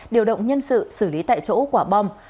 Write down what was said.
điều động nhân sự xử lý tại chỗ quả bom